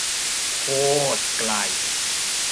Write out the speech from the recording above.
โคตรไกล